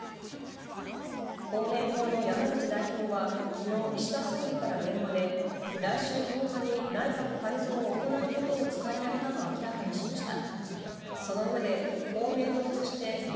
公明党の山口代表はきのう、岸田総理から電話で、来週１０日に内閣改造を行うことを伝えられたと明らかにしました。